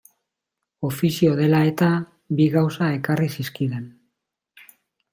Ofizioa dela-eta, bi gauza ekarri zizkidan.